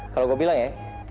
kalau gue bilang ya